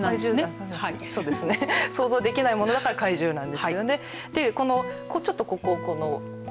想像できないものだから怪獣なんですよね。